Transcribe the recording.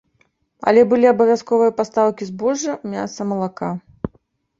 Але былі абавязковыя пастаўкі збожжа, мяса, малака.